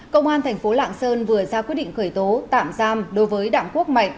công an tp lạng sơn vừa ra quyết định khởi tố tạm giam đối với đảng quốc mạnh